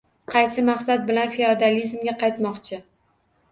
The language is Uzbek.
Qaysi maqsad bilan feodalizmga qaytmoqchi?